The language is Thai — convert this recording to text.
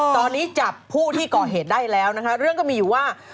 ตอนนี้จับผู้ที่ก่อเหตุได้แล้วนะคะเรื่องก็มีอยู่ว่า